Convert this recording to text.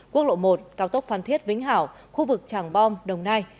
quốc lộ một cao tốc phan thiết vĩnh hảo khu vực tràng bom đồng nai